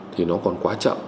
thì nó còn quá chậm